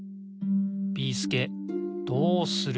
ビーすけどうする？